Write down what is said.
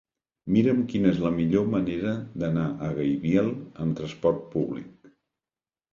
Mira'm quina és la millor manera d'anar a Gaibiel amb transport públic.